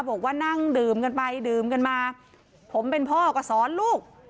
บอกว่านั่งดื่มกันไปดื่มกันมาผมเป็นพ่อก็สอนลูก